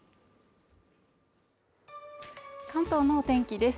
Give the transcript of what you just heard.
関東の天気です